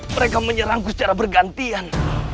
mereka menyerangku secara bergantian